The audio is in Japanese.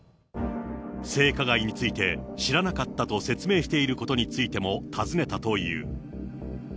性加害について、知らなかったと説明していることについても尋ねたという。